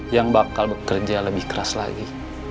yang bakal bekerja lebih keras lagi